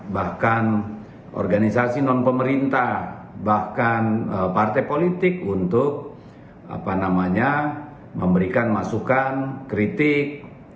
bahkan organisasi non pemerintah bahkan partai politik untuk memberikan masukan kritik